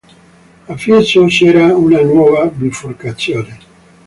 A Fiesso c'era una nuova biforcazione.